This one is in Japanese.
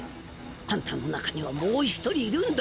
アンタの中にはもう一人いるんだ。